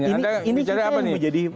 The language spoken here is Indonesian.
ini kita yang menjadi persoalan